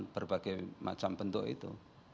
berbagai macam bentuk itu